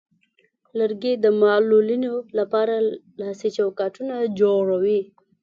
لرګی د معلولینو لپاره لاسي چوکاټونه جوړوي.